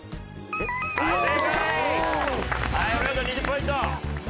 ２０ポイント！